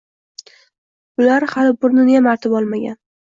Bular hali burniniyam artib olmagan.